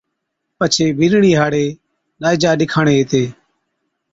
پڇي بِينڏڙِي ھاڙي ڏائِجا ڏِکاڻي ھِتي